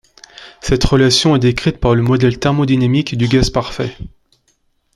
Cette relation est décrite par le modèle thermodynamique du gaz parfait.